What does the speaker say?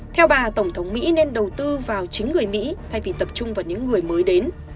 theo bà tổng thống mỹ nên đầu tư vào chính người mỹ thay vì tập trung vào những người mới đến